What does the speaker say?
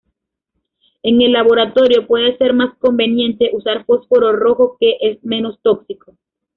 En el laboratorio, puede ser más conveniente usar fósforo rojo, que es menos tóxico.